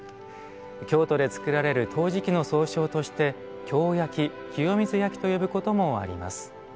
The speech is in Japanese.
京都で作られる陶磁器の総称として「京焼」「清水焼」と呼ぶこともあります。